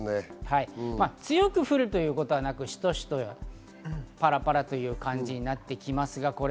強く降るということはなく、しとしと、パラパラという感じになってきます。